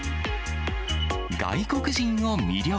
外国人を魅了！